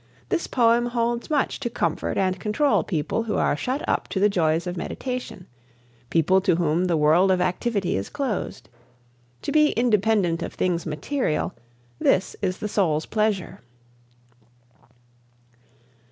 This poem holds much to comfort and control people who are shut up to the joys of meditation people to whom the world of activity is closed. To be independent of things material this is the soul's pleasure.